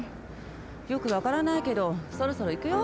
よくわからないけどそろそろいくよ。